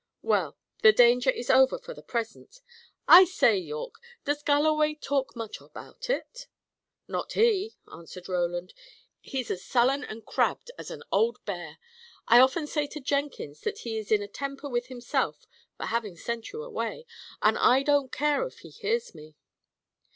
"Well, the danger is over for the present. I say, Yorke, does Galloway talk much about it?" "Not he," answered Roland. "He's as sullen and crabbed as any old bear. I often say to Jenkins that he is in a temper with himself for having sent you away, and I don't care if he hears me.